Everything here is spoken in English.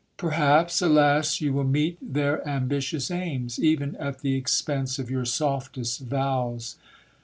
Perhaps, alas ! you will meet their ambitious aims, even at the expense of your softest vows.